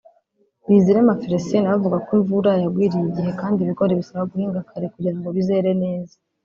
Bizirema Felicien na we avuga ko imvura yagwiriye igihe kandi ibigori bisaba guhinga kare kugira ngo bizere neza